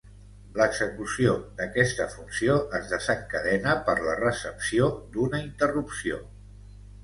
L'execució d'aquesta funció es desencadena per la recepció d'una interrupció.